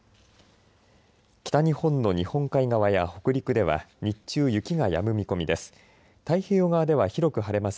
北日本の日本海側や北陸では日中、雪がやむ見込みです。